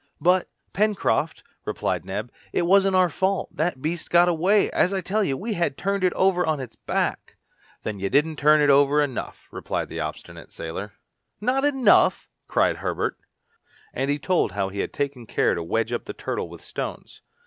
"But, Pencroft," replied Neb, "it wasn't our fault that the beast got away, as I tell you, we had turned it over on its back!" "Then you didn't turn it over enough!" returned the obstinate sailor. [Illustration: TURNING A TURTLE] "Not enough!" cried Herbert. And he told how he had taken care to wedge up the turtle with stones.